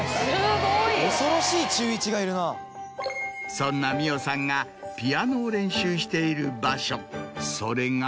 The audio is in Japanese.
そんな美音さんがピアノを練習している場所それが。